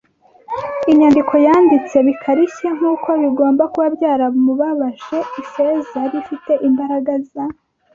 inyandiko yanditse. Bikarishye nkuko bigomba kuba byaramubabaje, Ifeza yari ifite imbaraga za